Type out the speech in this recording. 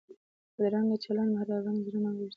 بدرنګه چلند مهربان زړونه وژني